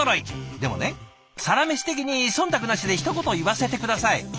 でもね「サラメシ」的にそんたくなしでひと言言わせて下さい。